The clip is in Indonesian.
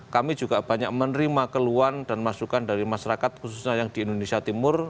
kami juga banyak menerima keluhan dan masukan dari masyarakat khususnya yang di indonesia timur